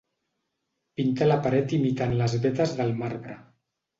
Pinta la paret imitant les vetes del marbre.